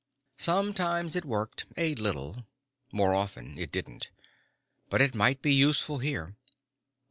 Sometimes it worked, a little. More often it didn't. But it might be useful here.